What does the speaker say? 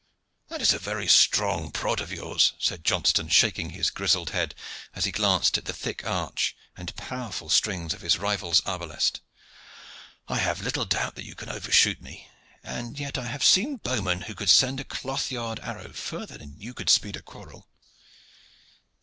"That is a very strong prod of yours," said Johnston, shaking his grizzled head as he glanced at the thick arch and powerful strings of his rival's arbalest. "I have little doubt that you can overshoot me, and yet I have seen bowmen who could send a cloth yard arrow further than you could speed a quarrel."